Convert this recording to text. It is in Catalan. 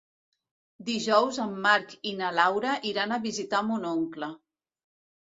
Dijous en Marc i na Laura iran a visitar mon oncle.